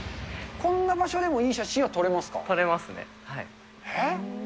こんな場所でもいい写真は撮撮れますね。